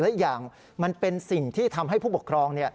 และอีกอย่างมันเป็นสิ่งที่ทำให้ผู้ปกครอง